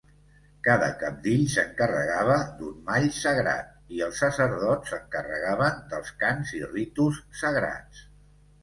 Cada cabdill s'encarregava d'un mall sagrat, i els sacerdots s'encarregaven dels cants i ritus sagrats.